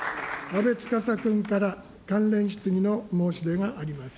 阿部司君から関連質疑の申し出があります。